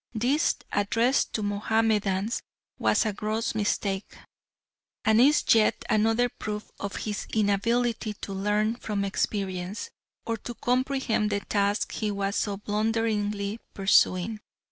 This, addressed to Mahomedans, was a gross mistake, and is yet another proof of his inability to learn from experience or to comprehend the task he was so blunderingly pursuing.